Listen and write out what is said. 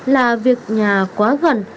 là việc nhà quá gần